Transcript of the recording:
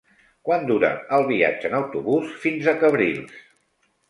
Quant dura el viatge en autobús fins a Cabrils?